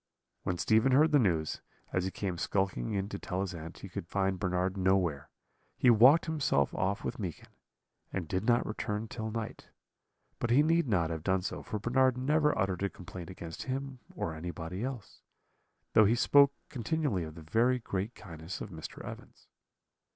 "When Stephen heard the news, as he came skulking in to tell his aunt he could find Bernard nowhere, he walked himself off with Meekin, and did not return till night; but he need not have done so, for Bernard never uttered a complaint against him or anybody else, though he spoke continually of the very great kindness of Mr. Evans.